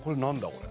これ。